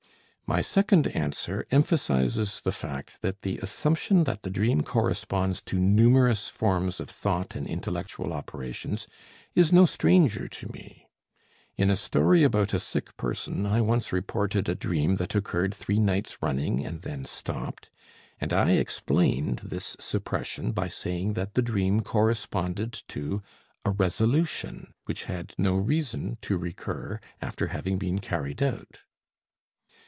My second answer emphasizes the fact that the assumption that the dream corresponds to numerous forms of thought and intellectual operations is no stranger to me. In a story about a sick person I once reported a dream that occurred three nights running and then stopped, and I explained this suppression by saying that the dream corresponded to a resolution which had no reason to recur after having been carried out.